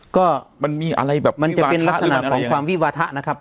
ก็มันมีอะไรแบบมันจะเป็นลักษณะของความวิวาทะนะครับ